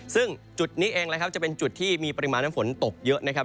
ซึ่งจุดนี้เองนะครับจะเป็นจุดที่มีปริมาณน้ำฝนตกเยอะนะครับ